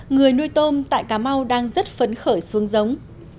người nuôi tôm tại cà mau đang rất phấn khởi xuống giống